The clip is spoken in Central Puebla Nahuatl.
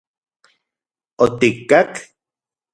¿Otikkak...?